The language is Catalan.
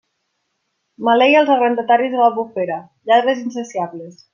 Maleïa els arrendataris de l'Albufera, lladres insaciables.